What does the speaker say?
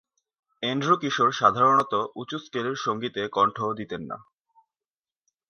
Andrew Kishore সাধারণত উঁচু স্কেলের সঙ্গীতে কন্ঠ দিতেন না।